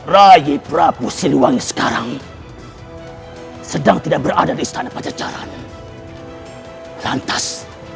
raih prabu siluwangi sekarang sedang tidak berada di istana pajajaran lantas